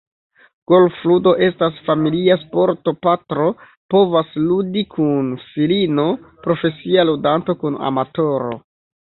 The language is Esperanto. Golfludo estas familia sporto – patro povas ludi kun filino, profesia ludanto kun amatoro.